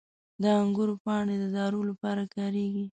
• د انګورو پاڼې د دارو لپاره کارېږي.